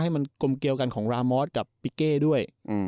ให้มันกลมเกลียวกันของรามอสกับปิเก้ด้วย